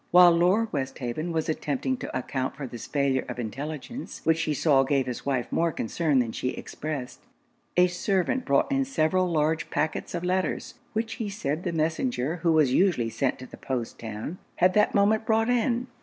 While Lord Westhaven was attempting to account for this failure of intelligence, which he saw gave his wife more concern than she expressed, a servant brought in several large pacquets of letters, which he said the messenger who was usually sent to the post town, had that moment brought in.